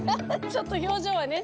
ちょっと表情はね。